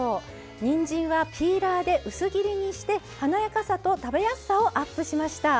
にんじんはピーラーで薄切りにして華やかさと食べやすさをアップしました。